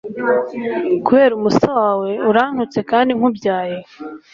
kubera umusa wawe urantutse kandi nkubyaye